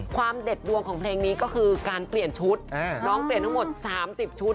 เด็ดดวงของเพลงนี้ก็คือการเปลี่ยนชุดน้องเปลี่ยนทั้งหมด๓๐ชุด